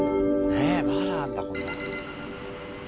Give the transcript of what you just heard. ねえまだあるんだこんなに。